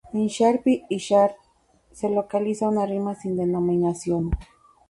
Entre Sharp y "Sharp A" se localiza una rima sin denominación.